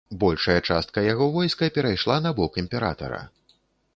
Большая частка яго войска перайшла на бок імператара.